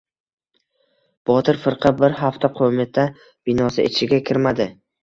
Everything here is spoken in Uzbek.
Botir firqa bir hafta qo‘mita binosi ichiga kirmadi.